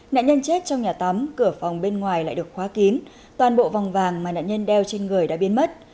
nạn nhân chết trong nhà tắm cửa phòng bên ngoài lại được khóa kín toàn bộ vòng vàng mà nạn nhân đeo trên người đã biến mất